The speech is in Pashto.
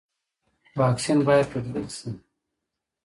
واکسین باید تطبیق شي